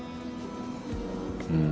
うん。